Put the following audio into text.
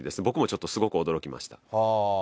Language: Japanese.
僕もちょっとすごく驚きました。